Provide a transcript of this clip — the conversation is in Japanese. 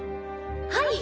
はい！